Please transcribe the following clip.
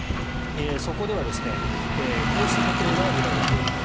そこではこうした時計が売られている。